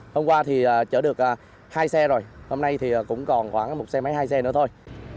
hôm qua thì chở được hai xe rồi hôm nay thì cũng còn khoảng một xe máy hai xe nữa thôi